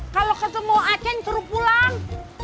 kalau ketemu ake turun pulang